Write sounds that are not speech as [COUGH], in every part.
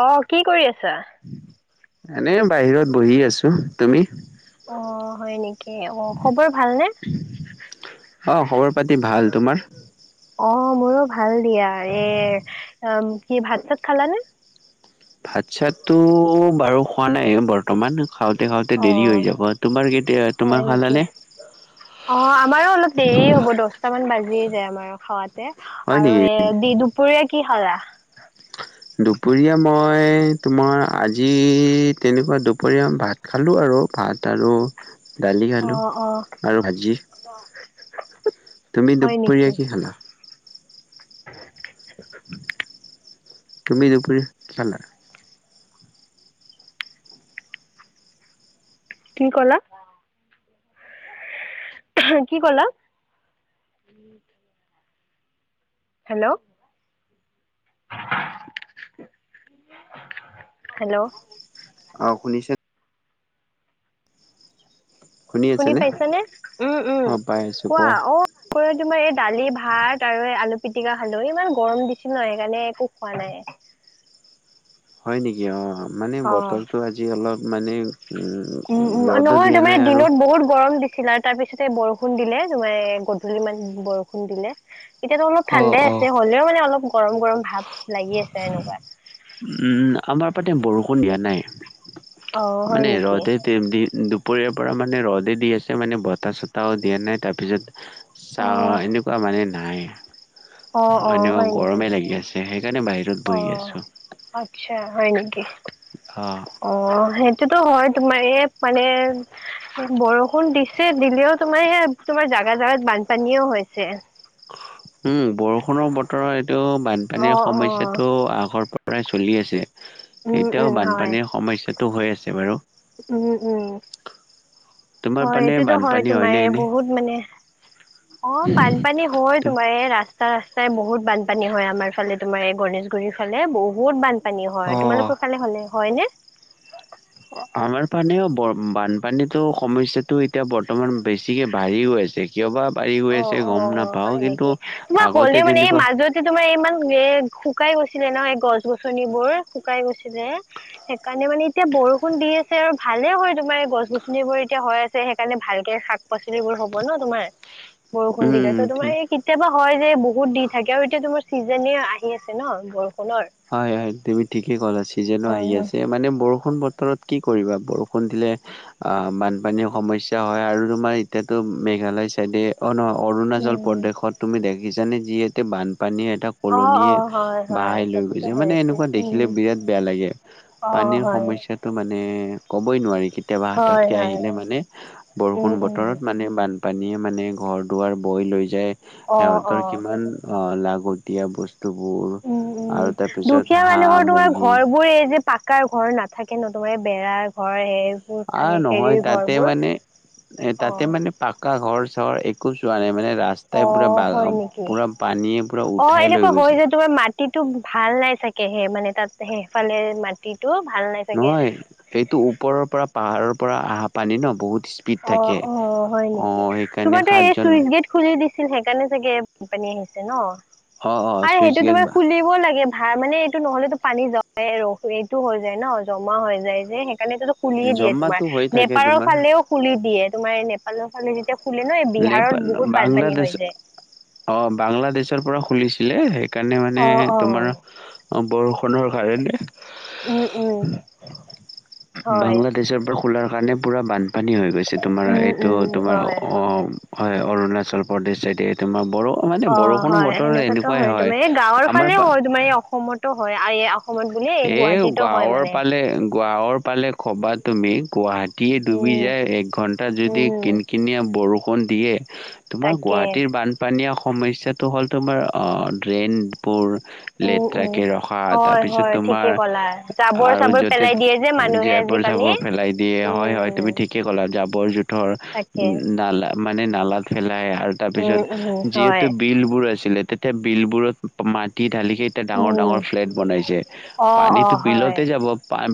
অ কি কৰি আছা? এনে বাহিৰত বহি আছো তুমি অ হয় নেকি অ খবৰ ভালনে? অ খবৰ পাতি ভাল তোমাৰ? অ মোৰো ভাল দিয়া এ, কি ভাত চাত খালানে? ভাত চাতটো বাৰু খোৱা নাই বৰ্তমান। খাওঁতে খাওঁতে অ দেৰি হৈ যাব তোমাৰ কেতিয়া হয় তোমাৰ নেকি? খালানে অ আমাৰো অলপ দেৰি হ'ব দহটা মান বাজিব‌ বাজিয়েই যায় আমাৰ খাৱাতে হয় আৰু, নেকি এ দি দুপৰীয়া কি খালা? দুপৰীয়া মই তোমাৰ আজি তেনেকুৱা দুপৰীয়া ভাত খালোঁ আৰু ভাত তাত আৰু দালি অ আলু অ আৰু ভাজি। তুমি হয় নেকি? দুপৰীয়া কি খালা? [INAUDIBLE] তুমি দুপৰীয়া কি খালা? কি কলা? কি কলা? হেল্ল'! হেল্ল'! আহ, শুনিছে? শুনি পাইছা নে? উম উম। অ পাই আছো কোৱা। দুপৰীয়া অ' তোমাৰ এই দালি, ভাত আৰু আলু। পিটিকা খালো ইমান গৰম দিছে ন, সেইকাৰণে একো খোৱা নাই। হয় নেকি? অঁ মানে অ বতৰটো আজি অলপ মানে উম উম ৰ'দো নহয়, দিয়া নাই তোমাৰ আৰু দিনত বহুত গৰম দিছ চিলাৰ তাৰ পিছতে বৰষুণ দিলে তোমাৰ গধূলি মান বৰষুণ দিলে। এতিয়াতো অলপ ঠাণ্ডাই আছে, হলেও মানে অলপ গৰম গৰম ভাৱ লাগি আছে এনেকুৱা। আমাৰ পাতে বৰষুণ দিয়া নাই, অ হয় মানে নেকি ৰ'দে দি [UNINTELLIGIBLE] দুপৰীয়াৰ পৰা মানে ৰ'দে দি আছে মানে বতাহ-চতাহও দিয়া নাই। তাৰপিছত, অ চাহ এনেকুৱা মানে নাই, অ অ এনেকুৱা হয় নেকি গৰমেই লাগি আছে। সেইকাৰণে বাহিৰত অ বহি আছোঁ। আচ্ছা, হয় নেকি? অ' সেই টোতো হয় তোমাৰ এ মানে বৰষুণ দিছে, দিলেও তোমাৰ সেইয়া তোমাৰ জাগা-জাগাত বানপানীও হৈছে। উম, বৰষুণৰ বতৰত এইটো অ বানপানীৰ অ সমস্যাটো আগৰ পৰাই চলি আছে। উম এতিয়াও উম বানপানীৰ সমস্যাটো হৈ আছে বাৰু। উম-উম তোমাৰ হয় পানে এইটোতো হয় বানপানী তোমাৰ হয়নে এনে? বহুত মানে অ, বানপানী হয় তো- তোমাৰ এই ৰাস্তা-ৰাস্তা ঠাই বহুত বানপানী হয় আমাৰ ফালে তোমাৰ এই গণেশগুৰিৰ ফালে বহুত বান পানী হয় অ', তোমালোকৰ খালে হ'লে হয় নে? আমাৰ পানেও বৰ বানপানীতো সমস্যাটো এতিয়া বৰ্তমান বেছিকে বাঢ়ি গৈ আছে কিয় বা? বাঢ়ি গৈ আছে অ', গম অ', নাপাওঁ হয় কিন্তু নেকি তোমাৰ আগতে হলেও মানে এই তেনেকুৱা মাজতে তোমাৰ ইমান শুকাই গৈছিলে নহ গছ-গছনিবোৰ শুকাই গৈছিলে সেইকাৰণে মানে এতিয়া বৰষুণ দি আছে আৰু ভালে হয় তোমাৰ গছ-গছনিবোৰ এতিয়া হয় আছে সেইকাৰণে ভালকে শাক-পাচলিবোৰ হ'ব ন তোমাৰ। বৰষুণ দিলে উম ত তোমাৰ তুমি- এই কেতিয়াবা হয় যে বহুত দি থাকে আৰু এতিয়া তোমাৰ চিজনে আহি আছে ন বৰষুণ হয়-হয় তুমি ঠিকেই ক'লাছি যেনো অ আহি আছে মানে বৰষুণ বৰত কি কৰিবা বৰষুণ দিলে অ, বানপানীৰ সমস্যা হয় আৰু তোমাৰ এতিয়াতো ম মেঘালয় চাইডে অ, নহ অৰুণাচল উম প্ৰদেশত তুমি দেখিছাানে যিহেতু বানপ পানী এটা অ', কলনীয়ে অ', হয়, হয় বাহাই লৈ গৈ তাতোতো যে হৈ মানে আছে এনেকুৱা দেখিলে উম, বিৰাট বেয়া লাগে অ', পানীৰ হয়। সমস্যাটো মানে ক'বই নোৱাৰি। কেতিয়াবা হয়, হাততকে হয়, আহিলে মানে বৰষুণ উম, উম, বতৰত মানে বান পানীয়ে মানে ঘৰ দুৱাৰ বই লৈ যায় অ', সিহঁতৰ অ', কিমান লাগতীয়া বস্তুবোৰ উম, উম। আৰু তাৰপিছত দুখীয়া হাঁহ, মানুহৰ তোমাৰ মুৰ্গী ঘৰ বোৰে এই যে পাক কাৰ ঘৰ নাথাকে নতুমে বেৰা ঘৰ হ আহ নহয় তাতে মানে এ তাতে অ', মানে পাক এটা ঘৰ চহৰ একো যোৱা নাই মানে ৰাস্তাই পূৰা অ', হয় [UNINTELLIGIBLE] নেকি? পূৰা পানীয়ে পুৰা উঠাই লৈ গৈছে। তিটো ভাল নাই চাগেহে মানে তাত সেইফালে মাটিত নহয় এইটো ওপৰৰ পৰা পাহাৰৰ পৰা অহা পানী ন বহুত স্পীড অ থাকে অ হয় নেকি অ' সেইকাৰণে তোমাৰটো এই সাতজন চুইচ গেট খুলি দিছ ছিল সেইকাৰণে চাগে বানপানী আহিছে ন অ' অ' আৰু চুইচ সেইটো গেট তোমাৰ খুলিবও লাগে। হাৰ মানে এইটো নহলেতো পানী [UNINTELLIGIBLE] এইটো হৈ যায় ন জমা হৈ যায় যে কাৰণে খুলিযয়ে দিয়ে তোমাৰ জমাটো হৈ থাকে নেপালৰ তোমাৰ ফালেও খুলি দিয়ে তোমাৰ নেপালৰ ফালে যেতিয়া খুলে ন এই নেপ বিহাৰত বহুত বানপানী বাংলাদেশ হৈ যায় অ বাংলাদেশৰ পৰা খুলিছিলে সেই সেইকাৰণে মানে অ অ তোমাৰ অ বৰষুণৰ কাৰণে উম উম হয় বাংলাদেশৰ পৰা খোলাৰ কাৰণে পুৰা বান পানী হৈ গৈছে তোমাৰ উম এইটো উম তোমাৰ হয় অ হয় অৰুণাচল প্ৰদেশ চাইদে, এই তোমাৰ বৰ মানে অ বৰষুণৰ হয় বতৰ সেনেকুৱাতো এনেকুৱাই হয় তোমাৰ এই গাঁৱৰ ফালেও আমাৰ হয় তোমাৰ এই অসমতো হয় আৰু এই অসমত বোলে এই এ গুৱাহাটীতো হয় গাঁৱৰ মানে পালে গাঁৱৰ পালে খবা তুমি গুৱাহাটীয়ে ডুবি উম যায়। এক ঘণ্টা যদি উম কিন কিনিয়া বৰষুণ দিয়ে, তোমাৰ তাকে গুৱাহাটীৰ বানপানী সমস্যাটো হ'ল তোমাৰ অ ড্ৰেইনবোৰ উম উম লেতেৰাকে ৰখা হয় তাৰপিছত হয় ঠিকে ক'লা জাবৰ আৰু চাবৰ যতে পেলাই দিয়ে যে মানুহে জীয়পৰ আজিকালি চাপৰ পেলাই দিয়ে হয় উম হয় তুমি উম ঠিকে লা জাবৰ জোথৰ তাকে উ নালা মানে নালাত ফেলাই আৰু উম তাৰপিছত উম হয় যিহেতু বিল বোৰ আছ ছিলে তেতিয়া বিল বোৰত মাটি ঢালিকে এতিয়া ডাঙৰ উম ডাঙৰ ফ্লেট বনাইছে। অ অ পানীতো হয়। বিলতে যাব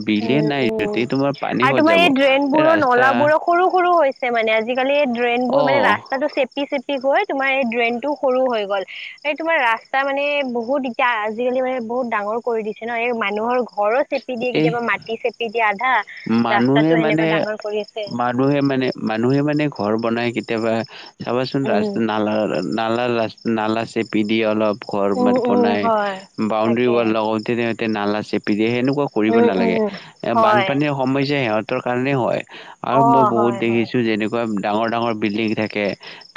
বিলে নাই উম উম যদি তোমাৰ পানী আৰু ক'ত তোমাৰ যাব এই ড্ৰেইন এই বোৰো ৰাস্তা নলাবোৰো সৰু সৰু হৈছে মানে। আজিকালি এই ড্ৰেইন বোৰ অ মান ৰাস্তাটো চেপি চেপি গৈ তোমাৰ এই ড্ৰেইনটো সৰু হৈ গ'ল, এই তোমাৰ ৰাস্তা মানে বহুত এতিয়া আজিকালি মানে বহুত ডাঙৰ ৰ কৰি দিছে ন এই মানুহৰ ঘৰৰ চেপি দিয়ে এই কেতিয়াবা মাটি চেপি দিয়ে আধা ৰাস্তাটো মানুহে সেনেকুৱা মানে ডাঙৰ কৰি আছে মানুহে মানে মানুহে মানে ঘৰ বনাই কি কেতিয়াবা চাবাচোন ৰাস্ত উম, নালা নালা ৰাত নালা চেপি দিয়ে অলপ ঘৰ উম, মানে উম, পনাই হয় বউণ্ডি তাকে ৱাল লগতে নালা চে পিধে সেনেকুৱা কৰিব উম, নালাগে, উম, হয় বানপানীৰ সমস্যা সিহঁতৰ কাৰণেই হয়। আৰু মই অ', হয়, বহুত হয়, দেখিছো যেনেকুৱা ডাঙৰ ডাঙৰ বিল্ডিং থাকে।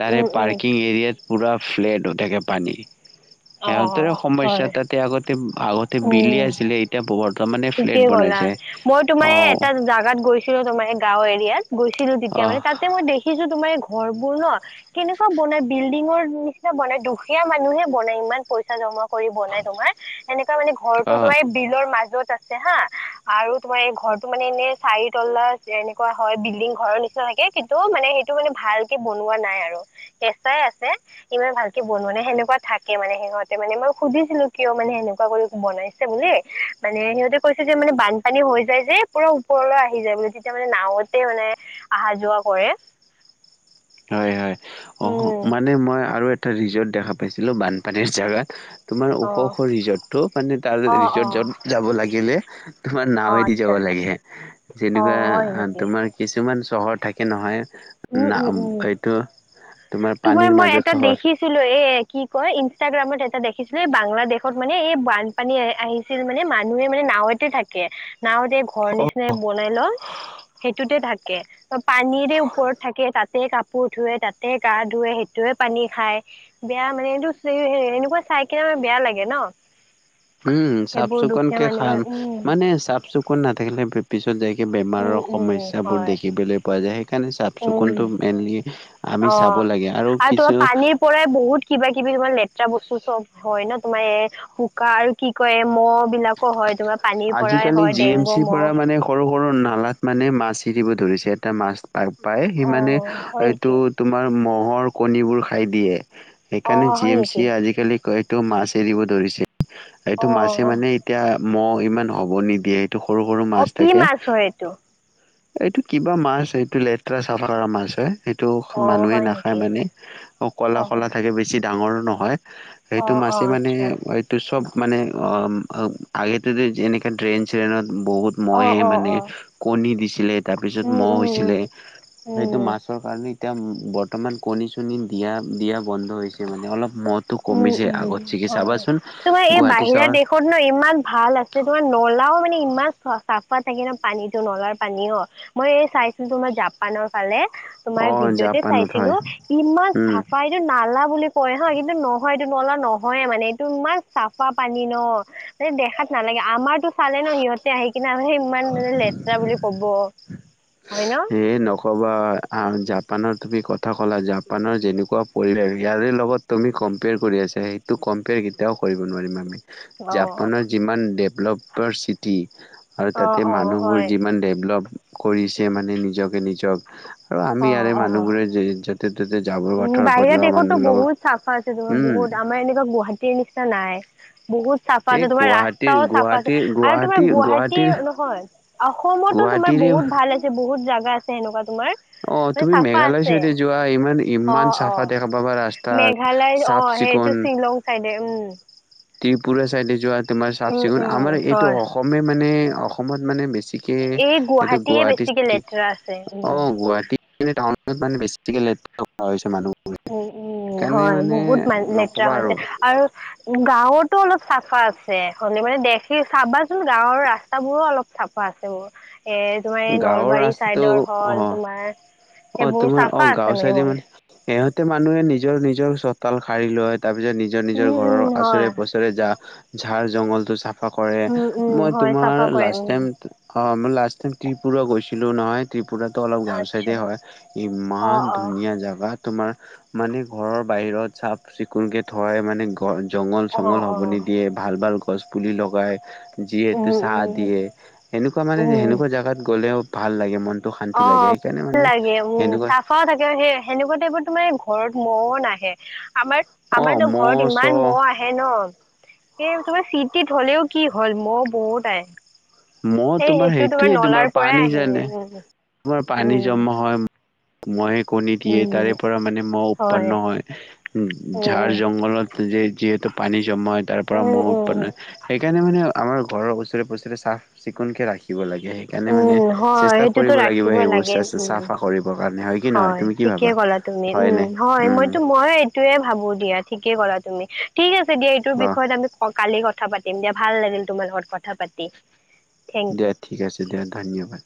তাৰে উম, উম, পাৰ্কিং এৰিয়াত পুৰা ফ্লেট হৈ থাকে পানী। সিহঁতেৰে অ', সমস্যা হয়, তাতে আগতে আগতে বিলি আছিলে এতিয়া বব ঠিকে ক'লা মইতো মায়ে এটা জাগাত গৈছিলো তোমাৰ গাঁও এৰিয়াত গৈছিলো তেতিয়া অ মানে তাতে মই দেখিছো তোমাৰ ঘৰবোৰ ন' কেনেকুৱা বনাই বিল্ডিঙৰ নিচিনা বনাই দুখীয়া মানুহে বনাই ইমান পইচা জমা কৰি বনাই তোমাৰ সেনেকুৱা মানে ঘৰটোতো অ তোমাৰ বিলৰ মাজত আছে হা। আৰু তোমাৰ এই ঘৰটো মানে এনেই চাৰি তলা এনেকুৱা হয় বিল্ডিং ঘৰৰ নিচিনা থাকে কিন্তু মান সেইটো মানে ভালকে বনোৱা নাই আৰু কেঁচাই আছে ইমান ভালকে বনোৱা নে সেনেকুৱা থাকে মানে মানে সিহঁতে মানে মই সুধিছিলো কিয় মানে সেনেকুৱা কৰি বনাইছে বুলি মানে সিহঁতে কৈছে যে মানে বানপানী হৈ যায় যে পুৰা ওপৰলৈ আহি যায় বোলে তেতিয়া মানে নাৱতে মানে আহা যোৱা কৰে। হয়, হয় অ', উম মানে মই আৰু এ এটা ৰিজৰ্ট দেখা পাইছিলো বানপানীৰ জেগাত। তোমাৰ অ ওখ ওখ ৰিজৰ্টটো মানে তাৰ অ অ ৰিজৰ্ট য'ত যাব লাগিলে তোমাৰ অ নাৱে দি যাব আচ্ছা লাগে অ যেনেকুৱা হয় নেকি তোমাৰ কিছুমান চহৰ থাকে নহয়। উম, না উম, উম এইটো তোমাৰ পানীৰ মই মাজত এটা চহৰ দেখিছিলো এই এ কি কয় ইনষ্টাগ্ৰামত এটা দেখিছিলো এই বাংলাদেশত মানে এই বানপানী আহিছিল মানে মানুহ মানে নাৱতে থাকে। নাৱতে ঘৰ নিচিননাাই বনাই লম সেইটোতে থাকে, পানীৰে ওপৰত থাকে তাতে কাপোৰ ধুৱে তাতে গা ধুৱে সেইটোৱে পানী খায় বেয়া মানে এ এনেকুৱা চাই কিনে আমাৰ বেয়া লাগে ন উম চাফ সেইবোৰ চুকুন দুখীয়া কে মানুহে হান উম মান চাফ চুকুন নাথাকিল পিছ উম বেমাৰৰ উম সমস্া বোৰ হয় দেখ যায় উম চাফল অ আৰু তোমাৰ পানীৰ পৰাই বহুত কিবা কিবি হয় বস্তু চব হয় ন তোমাৰ এ পোকা আৰু কি কয় এ মহ' বিলাকো হয় তোমাৰ পানীৰ পৰাই আজিকালি হয় জি এম ডেংগু চিৰ মহ পৰা মানে সৰু সৰু নালাত মানে মাছ এৰিব ধৰিছে এটা মাছ পা পায় সি অ মানে হয় এইটো নেকি তোমাৰ মহ'ৰ কণীবোৰ খাই দিয়ে অ সেকাৰণে জি হয় এম নেকি চিয়ে আজিকালি কয়টো মাছ এৰিব ধৰিছে এইটো অ মাছে মানে এতিয়া মহ ইমান হ'ব নিদিয়ে ত সৰু সৰু অ মাছ কি থাকে মাছ হয় এইটো এইটো কিবা মাছ এইটো লেতেৰা চাফা কৰা মাছ হয় সেইটো অ মানুহে হয় নাখায় নেকি মানে অ ক'লা ক'লা থাকে বেছি ডাঙৰ নহয় অ সেইটো অ মাছে মানে আচ্ছা এইটো চব মানে অ আগে যদি এনেকে ড্ৰেইন চ্ৰেইনত বহুত অ মহে অ মানে অ কণী দিছিলে তাৰপিছত উম মহ উম হৈছিলে উম সেইটো মাছৰ কাৰণে এতিয়া বৰ্তমান কণী চণী দিয়া দিয়া বন্ধ হৈছে মানে অলপ মহটো উম কমিছে উম আগত চিকি হয় চাবাচোন তোমাৰ এই গুৱাহাটী বাহিৰা চহৰ দেশত ন ইমান ভাল আছ যে তোমাৰ নলাও মানে ইমান চা চাফা থাকে ন পানীটো নলাৰ পানীও মই চাইছিলো তোমাৰ জাপানৰ ফালে তোমাৰ অ ভিডিঅ'তে জাপানত চাইছিলো হয় ইমান উম চাফা ইটো নালা বুলি কয় হা কি এইটো নহয় এইটো নলা নহয় মানে এইটো ইমান চাফা পানী ন মানে দেখাত নালাগে আমাৰতো চালে ন, সিহতে আহি কিনে ইমান মানে লেতেৰা বুলি কব। হয় ন এ নকবা আ' জাপানত তুমি কথা ক'লা, জাপানৰ যেনেকুৱা পৰিৱেশ ইয়াৰে লগত তুমি কম্পেয়াৰ কৰি আছা। সেইটো কম্পেয়াৰ কেতিয়াও কৰিব নোৱাৰিম আমি, অ অ জাপানৰ যিমান ডেভলপাৰ চিটি। আৰু অ', তাতে অ', মানুহবোৰ হয় যিমান ডেভলপ কৰিছে মানে নিজকে নিজক। আৰু আমি অ', ইয়াৰে অ', মানুহবোৰে য'তে-ত'তে উম, বাহিৰা দেশতটো বহুত চাফা আছে ধৰা উম বহুত, আমাৰ এনেকা গুৱাহাটীৰ নিচিনা নাই। বহুত চাফা এই আছে, তোমাৰ গুৱাহাটীৰ ৰাস্তাও চাফা আছে। গুৱাহাটীৰ আৰু গুৱাহাটী তোমাৰ গুৱাহাটী গুৱাহাটীৰ নহয় অসমতো তো তোমাৰ গুৱাহাটীৰে বহুত ভাল আছে, বহুত জাগা আছে সেনেকুৱা তোমাৰ অ মানে তুমি চাফা মেঘালয় আছে। চাইডে যোৱা ইমান ইমান অ' চাফা অ' দেখা পাবা ৰাস্তা মেঘালয়ত, চাফ অ' সেইটো চিকুণ শ্বিলং চাইডে। উম! ত্ৰিপুৰা চাইডে যোৱা তোমাৰ উম, চাফ-চিকুণ, উম, আমাৰ এইটো হয়। অসমে মানে অসমত মানে বে ছিকে এই এইটো গুৱাহাটীয়ে গুৱাহাটী বেছিকে চিটি, লেতেৰা আছে উম। অ' গুৱাহাটী টাউনত মানে বেছিকে লেতেৰা কৰা হৈছে মানুহ। উম, উম সেইকাৰণে হয়, মানে বহুত মান লেতেৰা হৈছে। আৰু গাঁৱত টো অলপ চাফা আছে, হলে মানে দেখি চাবাচোন গাঁৱৰ ৰাস্তাবোৰো অলপ চাফা আছে। এ তোমাৰ এই গাঁৱৰ নলবাৰী ৰাস্তাটো চাইডৰ হল অ তোমাৰ। অ' সেইবোৰ তোমাৰ, চাফা অ' আছে গাঁও চাইডে মোৰ মানে সেহঁত তে মানুহে নিজৰ নিজৰ চোতাল সাৰি লয়, তাৰ পিছত নিজৰ নিজৰ উম ঘৰৰ উম হয় আচৰে-পাছৰে জা ঝাৰ জংঘলটো চাফা কৰে, উম উম মই হয় চাফা তোমাৰ কৰিম লাষ্ট টাইম। অ' মই লাষ্ট টাইম ত্ৰিপুৰা গৈছিলো নহয়। ত্ৰিপ পুৰাতো অলপ গাঁও আচ্ছা চাইডে হয়, অ ইমান অ ধুনীয়া জাগাত। তোমাৰ মানে ঘৰৰ বাহিৰত চাফ-চিকুণকে থয় মানে। অ জংঙল-চংঙল অ হব নিদিয়ে, ভাল ভাল গছ পুলি লগাই। উম যিহেতু চাহ উম দিয়ে সেনেকুৱা মানে উম সেনেকুৱা জেগাত গ'লেও ভাল লাগে মন অ ভাল লাগে উম চাফাও থাকে সেই সেনেকুৱা টাইপৰ তোমাৰ ঘৰত মন আহে আমাৰ অ' আমাৰতো মহ ঘৰত ইমান মহ চহ আহে ন সেই তোমাৰ চট টিত হ'লেও কি হ'ল মহ বহুত আহে মহ সেই তোমাৰ সেইটো সেইটোৱে তোমাৰ নলাৰ পৰাই পানী জানে আহে তোমাৰ পানী উম জমা হয় মহে কণী উম দিয়ে উম তাৰে পৰা মানে মহ উৎপন্ন হয় ঝাৰ উম জংঘলত যে যিহেতু পানী জমা হয় তাৰ উম পৰা উম মহ' উম উৎপন্ন হয় সেইকাৰণে মানে আমাৰ ঘৰৰ ওচৰে পুচৰে চাফ চিকুণকে ৰাখিব লাগে সেইকাৰণে মানে উম হয় চেষ্টা সেইটোতো কৰিব লাগিব ৰাখিবই সেইবোৰ লাগে চেছ উম চাফা কৰিবৰ কাৰণে হয় কি নহয় হয় তুমি কি ঠিকে ভাবা? ক'লা তুমি উম হয়নে হয় উম মইতো মই এইটোয়ে ভাবো দিয়া ঠিকেই কৰা তুমি ঠিক আছে দিয়া এইটো অ' বিষয়ত আমি কালি ক কথা পাতিম দিয়া ভাল লাগিল তোমাৰ লগত কথা পাতি থেংক ইউ দিয়া ঠিক আছে দিয়া ধন্যবাদ